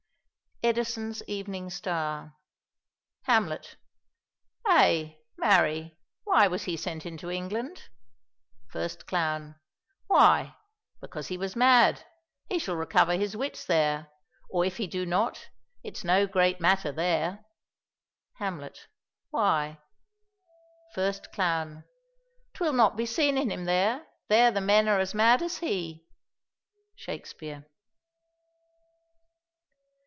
_ Edison's Evening Star Hamlet: "Ay, marry, why was he sent into England?" First Clown: "Why, because he was mad: he shall recover his wits there; or, if he do not, it's no great matter there." Hamlet: "Why?" First Clown: "'Twill not be seen in him there; there the men are as mad as he." _Shakespeare.